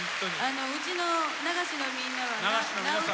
うちの流しのみんなは名うてなんで。